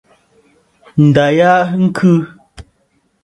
Ǹda ya ɨ khɨ.